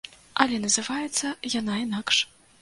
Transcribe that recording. Але называецца яна інакш.